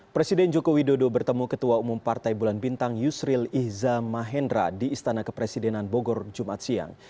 presiden joko widodo bertemu ketua umum partai bulan bintang yusril ihza mahendra di istana kepresidenan bogor jumat siang